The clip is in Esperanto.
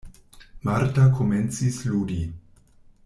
Marta komencis ludi.